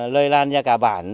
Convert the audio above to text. lây lan ra cả bản